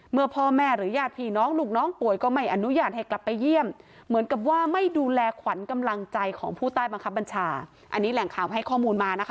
เมื่อพ่อแม่หรือยาดผีน้องลูกน้องป่วยก็ไม่อนุญาตให้กลับไปเยี่ยม